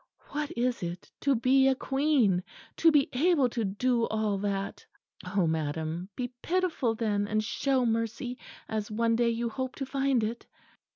What is it to be a Queen! to be able to do all that! Oh! madam, be pitiful then, and show mercy as one day you hope to find it."